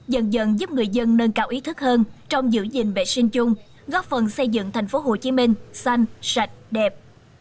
dần dần giúp người dân nâng cao ý thức hơn trong giữ gìn vệ sinh chung góp phần xây dựng thành phố hồ chí minh xanh sạch đẹp